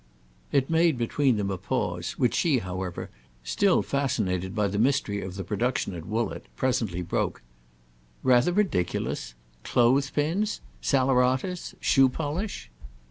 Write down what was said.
It made between them a pause, which she, however, still fascinated by the mystery of the production at Woollett, presently broke. "'Rather ridiculous'? Clothes pins? Saleratus? Shoe polish?"